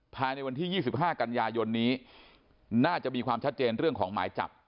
ภายในวันที่๒๕กันยายนนี้น่าจะมีความชัดเจนเรื่องของหมายจับ